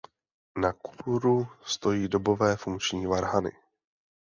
Na kůru stojí dobové funkční varhany.